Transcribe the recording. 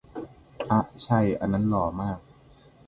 อ๊ะ ใช่ อันนั้นหล่อมาก